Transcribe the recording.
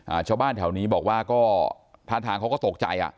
ชาวบ้านแถวนี้บอกว่าก็ท่าทางเขาก็ตกใจอ่ะ